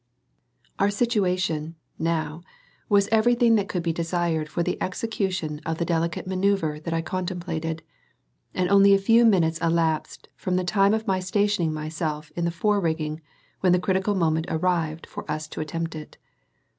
Our situation, now, was everything that could be desired for the execution of the delicate manoeuvre that I contemplated, and only a few minutes elapsed from the time of my stationing myself in the fore rigging when the critical moment arrived for us to attempt it.